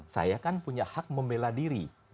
saya kan punya hak membela diri